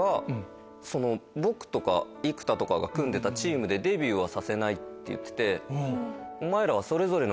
僕とか生田とかが組んでたチームでデビューはさせないって言ってて。